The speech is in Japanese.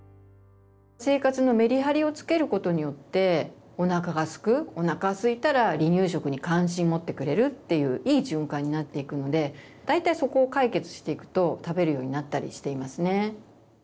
生活のメリハリをつけることによっておなかがすくおなかすいたら離乳食に関心持ってくれるっていういい循環になっていくので大体そこを解決していくと食べるようになったりしていますね。